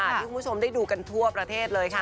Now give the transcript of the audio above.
ที่คุณผู้ชมได้ดูกันทั่วประเทศเลยค่ะ